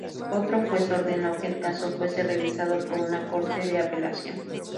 Otro juez ordenó que el caso fuese revisado por una Corte de Apelación.